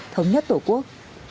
thống nhất tổ quốc